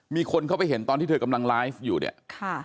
มีคนเข้าไปเห็นตอนที่เธอกำลังไลฟ์อยู่เนี่ยค่ะ